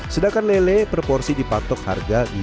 sedangkan lele proporsi dipantok harga rp lima belas